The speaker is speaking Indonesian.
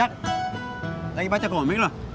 jak lagi baca komik loh